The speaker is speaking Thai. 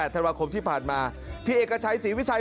กรคที่ผ่านมาที่เอกชัยสีขวิชัย